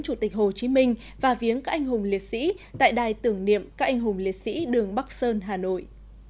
chủ tịch hồ chí minh và viếng các anh hùng liệt sĩ tại đài tưởng niệm các anh hùng liệt sĩ đường bắc sơn hà nội